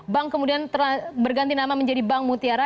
bank kemudian berganti nama menjadi bank mutiara